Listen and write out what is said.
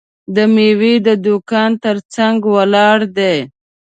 د میوې د دوکان ترڅنګ ولاړ دی.